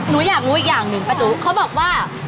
หนูอยากรู้อีกอย่างหนึ่งป้าจุเขาบอกว่า